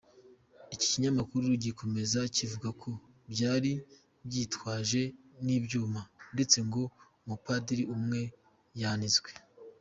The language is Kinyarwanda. Iki kinyamakuru gikomeza kivuga ko byari byitwaje n’ibyuma, ndetse ngo umupadiri umwe yanizwe.